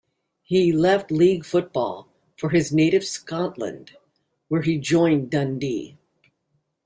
He left league football for his native Scotland where he joined Dundee.